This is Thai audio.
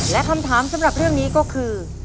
และคำถามสำหรับเรื่องนี้ก็คือ